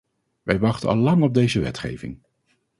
Wij wachten al lang op deze wetgeving.